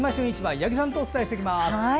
八木さんとお伝えしていきます。